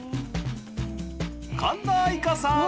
神田愛花さん